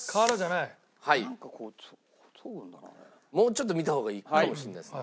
もうちょっと見た方がいいかもしれないですね。